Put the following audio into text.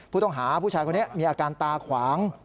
ผู้ต้องหาผู้ชายคนนี้มีอาการตาขวาง